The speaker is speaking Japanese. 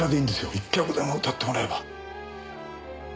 一曲でも歌ってもらえば。